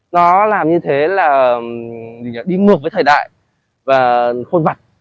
nó làm như thế là đi ngược với thời đại và khôn vặt